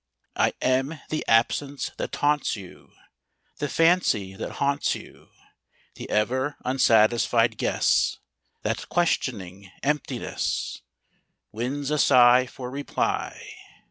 I am the absence that taunts you, The fancy that haunts you; The ever unsatisfied guess That, questioning emptiness, Wins a sigh for reply.